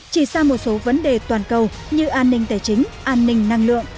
chỉ ra một số vấn đề toàn cầu như an ninh tài chính an ninh năng lượng